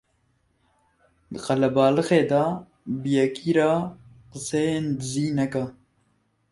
Di qelebalixê de bi yekî re qiseyên dizî neke